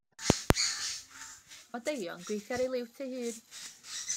Mae Deio yn gweithio ar ei liwt ei hun.